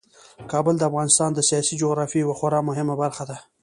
کابل د افغانستان د سیاسي جغرافیې یوه خورا مهمه برخه ده.